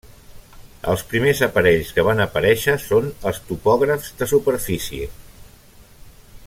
Els primers aparells que van aparèixer són els topògrafs de superfície.